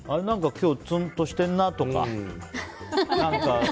なんか今日つんとしてるなとか。